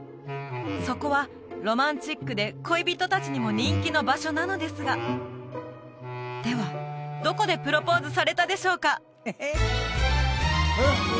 そこはロマンチックで恋人達にも人気の場所なのですがではどこでプロポーズされたでしょうか？